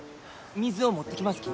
水を持ってきますき